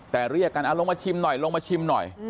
แต่เรียกกันลงมาชิมหน่อยลงมาชิมหน่อย